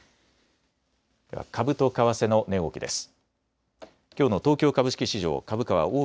株と為替の値動きです。